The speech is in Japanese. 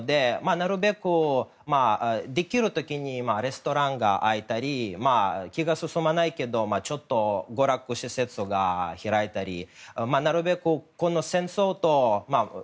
なるべく、できる時にレストランが開いたり気が進まないけど娯楽施設が開いたりなるべく、戦争とね。